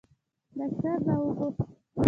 ډاکتر را وغوښت.